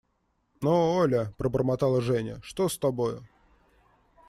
Но, Оля, – пробормотала Женя, – что с тобою?